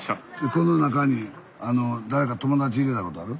この中に誰か友達入れたことある？